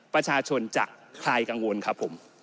ประชาชนจะคลายกังวลครับผม